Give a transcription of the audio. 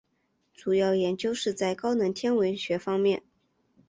主要研究是在高能天文学方面。